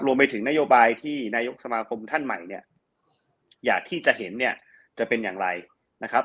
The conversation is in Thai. รวมไปถึงนโยบายที่นายกสมาคมท่านใหม่อยากที่จะเห็นจะเป็นอย่างไรนะครับ